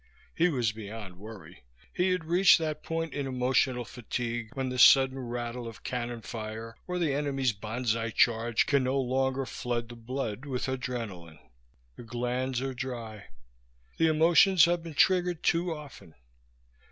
He was beyond worry. He had reached that point in emotional fatigue when the sudden rattle of cannonfire or the enemy's banzai charge can no longer flood the blood with adrenalin. The glands are dry. The emotions have been triggered too often.